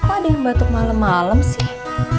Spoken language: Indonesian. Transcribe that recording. ada yang batuk malam malam sih